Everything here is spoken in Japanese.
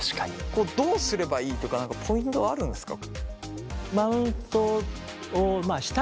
これどうすればいいとか何かポイントはあるんですか？